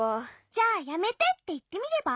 じゃあやめてっていってみれば？